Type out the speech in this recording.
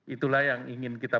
itulah yang ingin kita